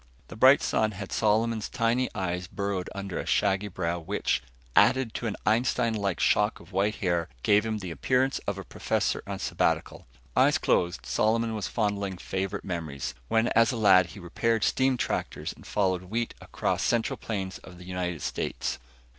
The bright sun had Solomon's tiny eyes burrowed under a shaggy brow which, added to an Einstein like shock of white hair, gave him the appearance of a professor on sabbatical. Eyes closed, Solomon was fondling favorite memories, when as a lad he repaired steam tractors and followed wheat across central plains of the United States.